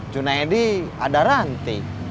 junedi ada ranti